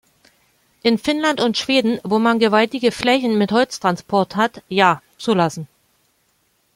In Finnland und Schweden, wo man gewaltige Flächen mit Holztransport hat, ja, zulassen.